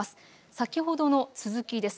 先ほどの続きです。